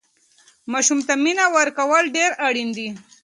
ماسوم ته مینه ورکول ډېر اړین دي.